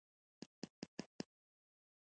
رام الله ته پر لاره ډېر چک پواینټونه جوړ کړي دي.